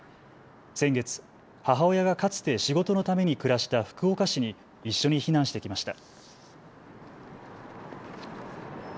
先月、母親がかつて仕事のために暮らした福岡市に一緒に避難してきました。